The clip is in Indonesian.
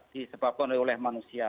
disebabkan oleh manusia